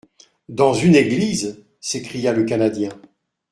—Dans une église ! s'écria le Canadien.